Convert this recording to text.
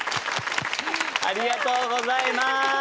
ありがとうございます。